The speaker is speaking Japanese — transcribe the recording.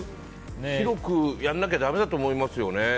広くやらなきゃダメだと思いますよね。